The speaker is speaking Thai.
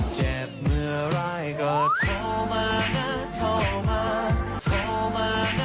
เจ็บเมื่อไรก็โทรมานะโทรมา